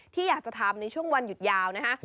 ที่อยากจะทำในช่วงวันหยุดยาวนะคะ